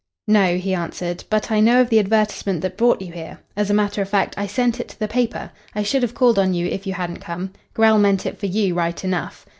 "No," he answered, "but I know of the advertisement that brought you here. As a matter of fact, I sent it to the paper. I should have called on you if you hadn't come. Grell meant it for you, right enough."